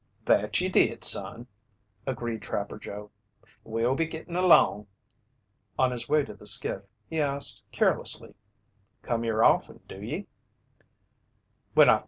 "That ye did, son," agreed Trapper Joe. "We'll be gittin' along." On his way to the skiff, he asked carelessly: "Come here offen, do ye?"